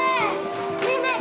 ねえねえ